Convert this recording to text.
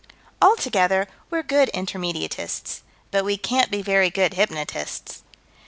Altogether, we're good intermediatists, but we can't be very good hypnotists.